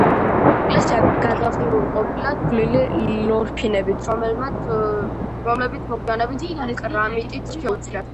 ეკლესია გადახურული ყოფილა თლილი ლორფინებით, რომლებიც მოგვიანებით კრამიტით შეუცვლიათ.